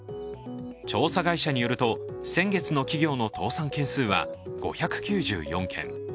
調査会社によると先月の企業の倒産件数は５９４件。